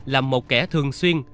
là một kẻ thường xuyên